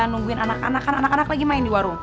nungguin anak anak anak lagi main di warung